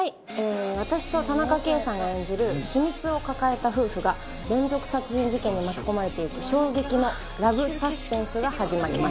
私と田中圭さんが演じる秘密を抱えた夫婦が連続殺人事件に巻き込まれていく衝撃のラブ・サスペンスが始まります。